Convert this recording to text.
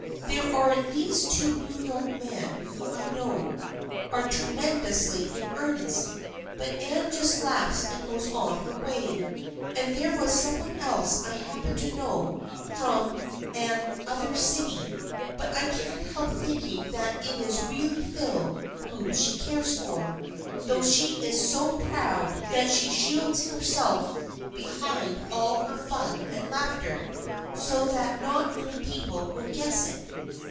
There are at least two New York men who I know are tremendously in earnest, but Anne just laughs and goes on her way. And there was some one else I happen to know about from an THE FRIENDSHIP OF ANNE 327 other city. But I can't help thinking that it is really Phil whom she cares for, though she is so proud that she shields herself behind all her fun and laughter so that not many people would guess it."